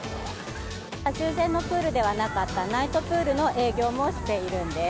従前のプールではなかった、ナイトプールの営業もしているんです。